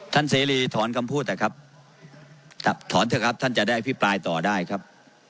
เสรีถอนคำพูดนะครับถอนเถอะครับท่านจะได้อภิปรายต่อได้ครับ